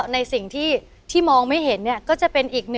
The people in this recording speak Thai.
ในสิ่งที่ที่มองไม่เห็นเนี่ย